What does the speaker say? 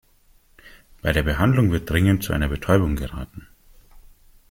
Bei der Behandlung wird dringend zu einer Betäubung geraten.